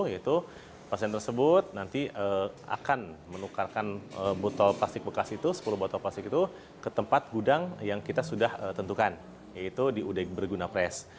yaitu pasien tersebut nanti akan menukarkan botol plastik bekas itu sepuluh botol plastik itu ke tempat gudang yang kita sudah tentukan yaitu di udeg berguna pres